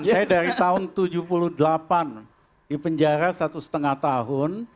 saya dari tahun tujuh puluh delapan di penjara satu setengah tahun